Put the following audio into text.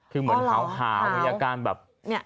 คือเหมือนหาวมีอาการแบบ